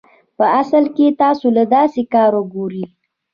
پۀ اصل کښې تاسو له داسې کار ګوري